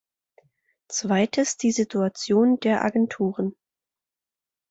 Zweites die Situation der Agenturen.